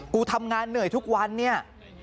กูทำงานเหนื่อยทุกวันเนี่ย